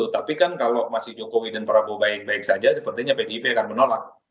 tapi kan kalau masih jokowi dan prabowo baik baik saja sepertinya pdip akan menolak